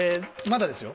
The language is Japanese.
まだですよ。